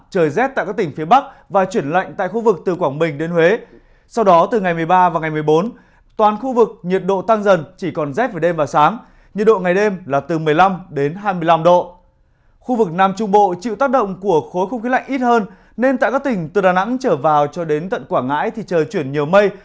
các tỉnh từ đà nẵng trở vào cho đến tận quảng ngãi thì trời chuyển nhiều mây